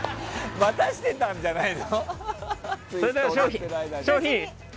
待たしてたんじゃないの。